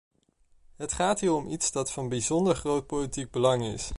Het gaat hier om iets dat van bijzonder groot politiek belang is.